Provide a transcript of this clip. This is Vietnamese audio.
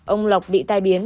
ông lộc bị tai biến